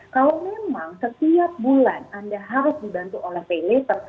kalau memang setiap bulan anda harus dibantu oleh pay later